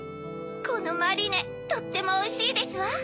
このマリネとってもおいしいですわ。